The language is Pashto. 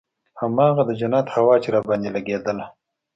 هماغه د جنت هوا چې راباندې لګېدله.